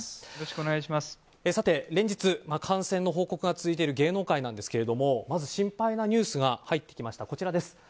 さて、連日感染の報告が続いている芸能界なんですがまず心配なニュースが入ってきました。